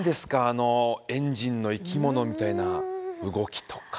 あのエンジンの生き物みたいな動きとか。